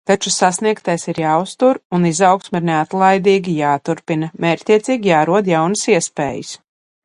Taču sasniegtais ir jāuztur un izaugsme ir neatlaidīgi jāturpina, mērķtiecīgi jārod jaunas iespējas.